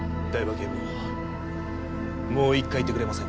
警部補もう一回言ってくれませんか？